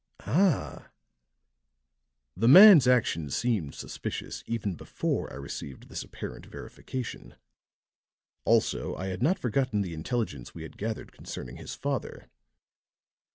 "Ah!" "The man's actions seemed suspicious, even before I received this apparent verification; also I had not forgotten the intelligence we had gathered concerning his father.